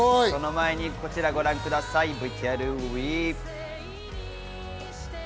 その前にこちらをご覧ください。